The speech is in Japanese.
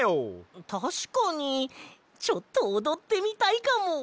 たしかにちょっとおどってみたいかも。